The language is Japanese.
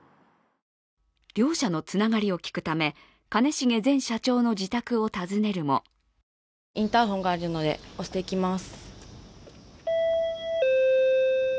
両社のつながりを聞くため、兼重前社長の自宅を訪ねるもインターホンがあるので押してきます。